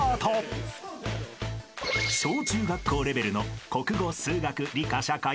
［小中学校レベルの国語数学理科社会